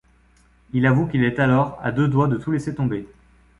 Il avoue qu'il est alors à deux doigts de tout laisser tomber.